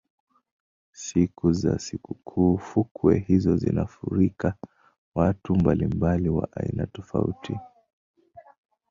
siku za sikukuu fukwe hizo zinafurika watu mbalimbali wa aina tofauti